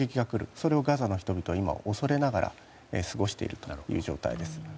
それをガザの人々は今、恐れながら過ごしている状態です。